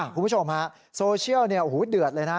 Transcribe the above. คุณผู้ชมฮะโซเชียลเนี่ยโอ้โหเดือดเลยนะ